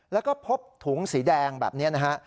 แล้วก็พบถุงสีแดงแบบนี้นะฮะ